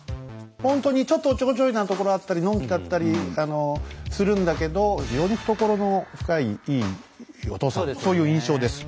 ほんとにちょっとおっちょこちょいなところあったりのんきだったりするんだけど非常に懐の深いいいお父さんそういう印象です。